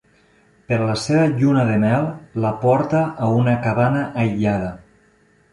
Per a la seva lluna de mel, la porta a una cabana aïllada.